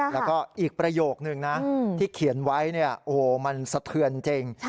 แล้วก็อีกประโยคนึงที่เขียนไว้โอ้โหมันสะเทือนเจ็ง